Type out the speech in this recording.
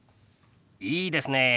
いいですねえ。